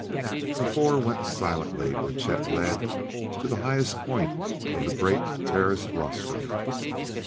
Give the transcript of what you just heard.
The four went silently where Chet led to the highest point of the great terraced rostrum.